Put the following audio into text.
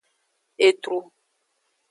Etru.